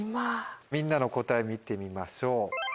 みんなの答え見てみましょう。